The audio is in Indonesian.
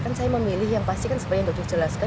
kan saya memilih yang pasti kan seperti yang dokter jelaskan